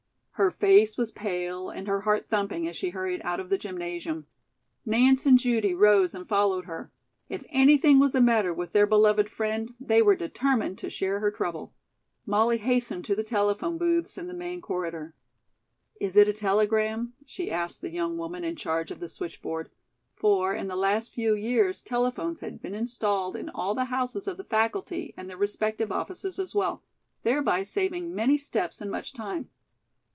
Her face was pale and her heart thumping as she hurried out of the gymnasium. Nance and Judy rose and followed her. If anything was the matter with their beloved friend, they were determined to share her trouble. Molly hastened to the telephone booths in the main corridor. "Is it a telegram?" she asked the young woman in charge of the switchboard; for, in the last few years telephones had been installed in all the houses of the faculty and their respective offices as well, thereby saving many steps and much time.